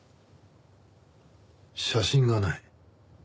写真がない。